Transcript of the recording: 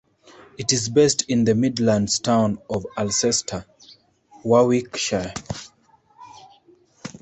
It is based in the Midlands town of Alcester, Warwickshire.